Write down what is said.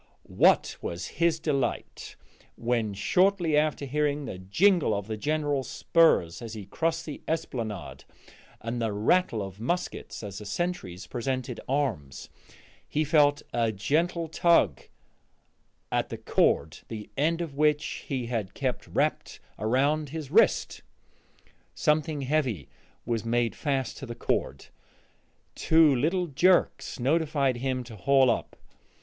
What was his delight when, shortly after hearing the jingle of the General's spurs as he crossed the esplanade, and the rattle of muskets as the sentries presented arms, he felt a gentle tug at the cord, the end of which he had kept wrapped around his wrist! Something heavy was made fast to the cord; two little jerks notified him to haul up.